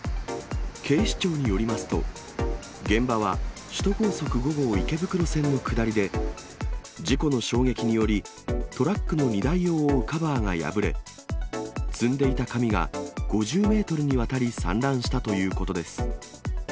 警視庁によりますと、現場は、首都高速５号池袋線の下りで、事故の衝撃により、トラックの荷台を覆うカバーが破れ、積んでいた紙が５０メートルにわたり散乱したということです。